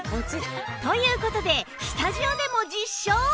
という事でスタジオでも実証！